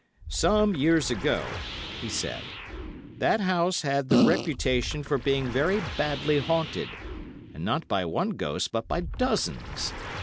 "Some years ago," he said, "that house had the reputation for being very badly haunted, and not by one ghost, but by dozens.